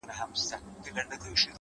• او ستا د خوب مېلمه به ـ